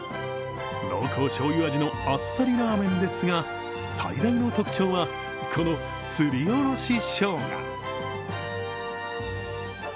濃厚しょうゆ味のあっさりラーメンですが、最大の特徴はこのすりおろししょうが。